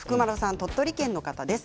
鳥取県の方です。